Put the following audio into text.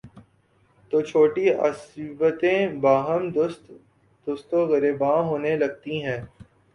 تو چھوٹی عصبیتیں باہم دست وگریباں ہونے لگتی ہیں۔